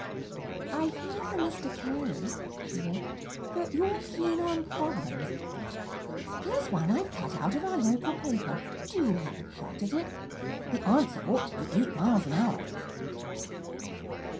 "I hear from Mr. Carey," she wrote, "that you're keen on problems. Here's one I have cut out of our local paper. Do have a shot at it. The answer ought to be eight miles an hour."